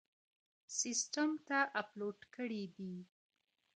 سیسټم ته اپلوډ کړي دي..